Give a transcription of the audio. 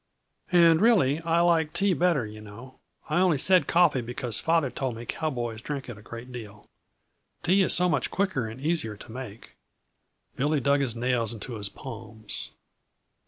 "And really, I like tea better, you know. I only said coffee because father told me cowboys drink it a great deal. Tea is so much quicker and easier to make." Billy dug his nails into his palms.